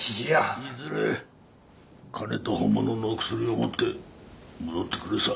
いずれ金と本物の薬を持って戻ってくるさ